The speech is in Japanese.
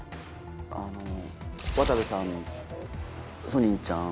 渡部さんソニンちゃん